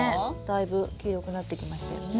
だいぶ黄色くなってきましたよね。